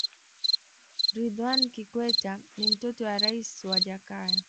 ridhwan kikwete ni mtoto wa raisi wa jakaya